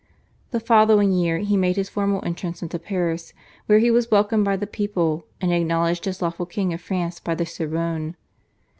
The following year he made his formal entrance into Paris, where he was welcomed by the people, and acknowledged as lawful king of France by the Sorbonne.